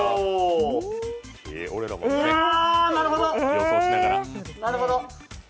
なるほど。